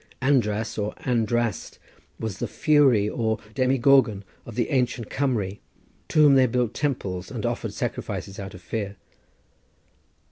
András or Andraste was the fury or Demigorgon of the Ancient Cumry, to whom they built temples and offered sacrifices out of fear.